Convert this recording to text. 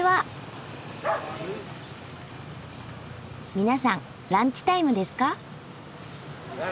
皆さんランチタイムですか？